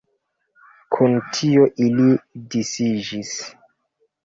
Kun tio ili disiĝis.